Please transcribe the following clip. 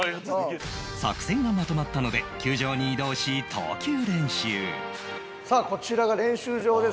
作戦がまとまったので球場に移動し投球練習さあこちらが練習場ですね。